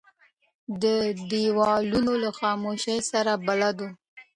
دی د دیوالونو له خاموشۍ سره بلد و.